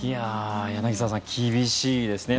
柳澤さん、厳しいですね。